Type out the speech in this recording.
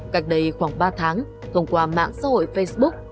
cách đây khoảng ba tháng thông qua mạng xã hội facebook